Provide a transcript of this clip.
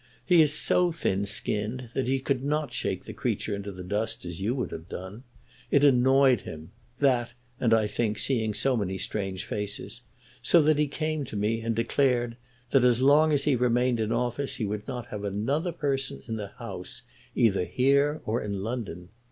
He is so thin skinned that he could not shake the creature into the dust as you would have done. It annoyed him, that, and, I think, seeing so many strange faces, so that he came to me and declared, that as long as he remained in office he would not have another person in the house, either here or in London.